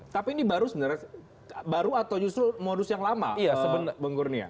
tapi ini baru atau justru modus yang lama bang gurnia